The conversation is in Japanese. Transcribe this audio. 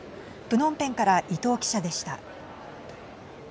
プノンペンから伊藤記者でした。